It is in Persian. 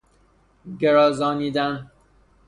گرازانیدن